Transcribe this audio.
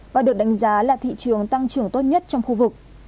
và được đánh giá là thị trường tăng trưởng tốt nhất trong khu vực